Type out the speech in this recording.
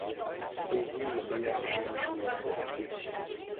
Désigne le meilleur jeune joueur de la saison.